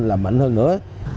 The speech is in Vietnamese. là mạnh hơn nữa